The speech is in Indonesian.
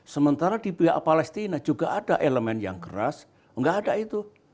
sementara di pihak palestina juga ada elemen yang keras nggak ada itu